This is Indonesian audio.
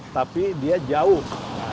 tapi dia jauh